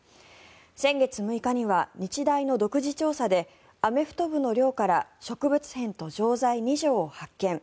先月６日には日大の独自調査でアメフト部の寮から植物片と錠剤２錠を発見。